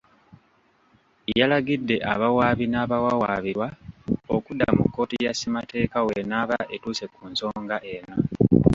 Yalagidde abawaabi n'abawawaabirwa okudda mu kkooti ya Ssemateeka w'enaaba etuuse ku nsonga eno.